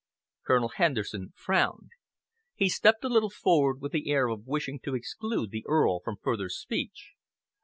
Colonel Henderson frowned. He stepped a little forward with the air of wishing to exclude the Earl from further speech.